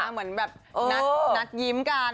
เหมือนแบบนัดยิ้มกัน